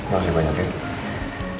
makasih banyak ya